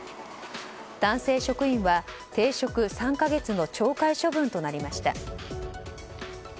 男性職員は停職３か月の懲戒処分となりました。